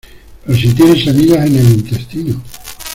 pero si tiene semillas en el intestino